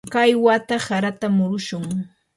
kay wata harata murushun.